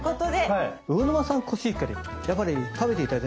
はい。